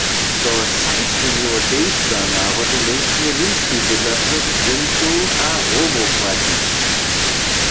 To samsne měło tež za narodnu mjeńšinu w Němskej bydlacych Sintow a Romow płaćić.